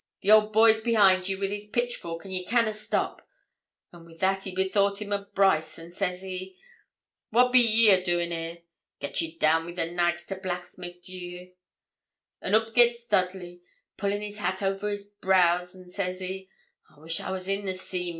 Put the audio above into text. The old boy's behind ye wi' his pitchfork, and ye canna stop." An' wi' that he bethought him o' Brice, and says he, "What be ye a doin' there? Get ye down wi' the nags to blacksmith, do ye." An' oop gits Dudley, pullin' his hat ower his brows, an' says he, "I wish I was in the Seamew.